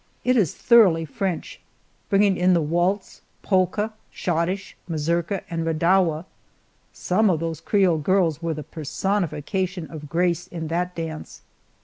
It is thoroughly French, bringing in the waltz, polka, schottische, mazurka, and redowa. Some of those Creole girls were the personification of grace in that dance.